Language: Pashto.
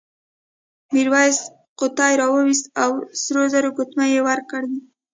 میرويس قوطۍ راوایستې او سرو زرو ګوتمۍ یې ورکړې.